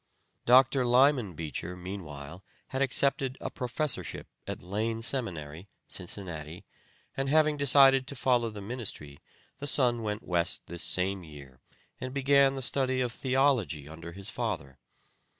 Dr. Lyman Beecher meanwhile had accepted a professorship at Lane Seminary, Cincinnati, and having decided to follow the ministry, the son went West this same year and began the study of theology under his father.